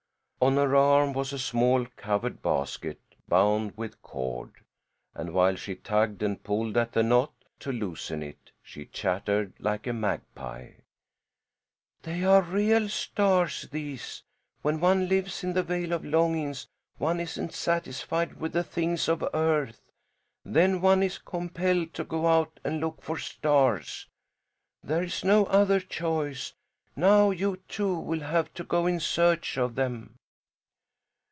On her arm was a small covered basket bound with cord, and while she tugged and pulled at a knot, to loosen it, she chattered like a magpie. "They are real stars, these. When one lives in the Vale of Longings one isn't satisfied with the things of earth; then one is compelled to go out and look for stars. There is no other choice. Now you, too, will have to go in search of them."